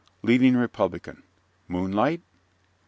LEADING REPUBLICAN Moonlight?